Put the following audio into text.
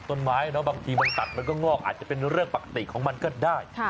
บางทีมันตัดมันก็งอกอาจจะเป็นเรื่องปกติของมันก็ได้